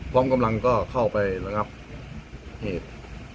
พร้อมกำลังก็เข้าไปแล้วนะครับเหตุ